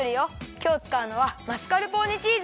きょうつかうのはマスカルポーネチーズ。